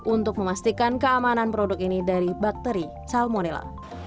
untuk memastikan keamanan produk ini dari bakteri salmonella